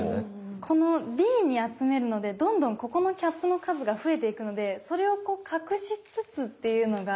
このＤに集めるのでどんどんここのキャップの数が増えていくのでそれをこう隠しつつっていうのが。